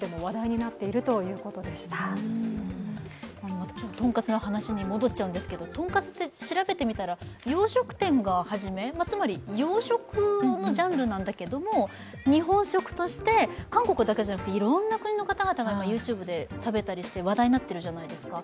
またちょっととんかつの話に戻っちゃうんですけど、とんかつって調べてみたら、洋食店が初め、つまり洋食のジャンルなんだけれども、日本食として韓国だけじゃなくていろんな国の方々が今、ＹｏｕＴｕｂｅで食べたりして話題になっているじゃないですか。